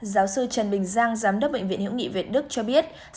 giáo sư trần bình giang giám đốc bệnh viện hữu nghị việt đức cho biết